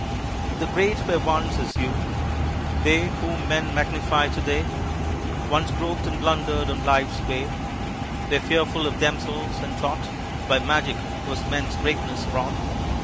The great were once as you. They whom men magnify to day Once groped and blundered on life's way, Were fearful of themselves, and thought By magic was men's greatness wrought.